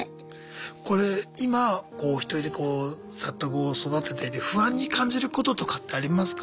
これ今おひとりでこう里子を育てていて不安に感じることとかってありますか？